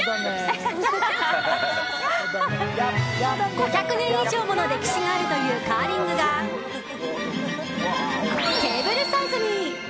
５００年以上もの歴史があるというカーリングがテーブルサイズに！